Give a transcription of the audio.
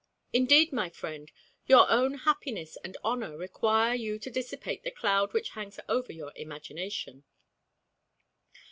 Indeed, my friend, your own happiness and honor require you to dissipate the cloud which hangs over your imagination.